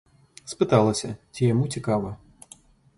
Спыталася, ці яму цікава.